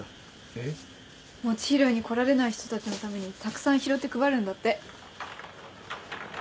えっ？餅拾いに来られない人たちのためにたくさん拾って配るんだって。